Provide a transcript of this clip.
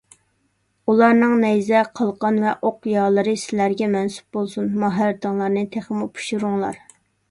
ئۇلارنىڭ نەيزە، قالقان ۋە ئوق يالىرى سىلەرگە مەنسۇپ بولسۇن، ماھارىتىڭلارنى تېخىمۇ پىشۇرۇڭلار.